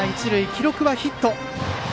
記録はヒット。